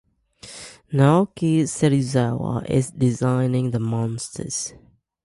Naoki Serizawa is designing the monsters.